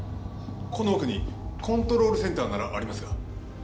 この奥にコントロールセンターならありますが。